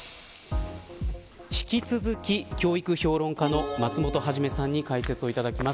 引き続き、教育評論家の松本肇さんに解説をいただきます。